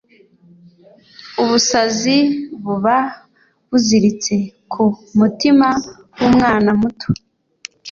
Ubusazi buba buziritse ku mutima w’umwana muto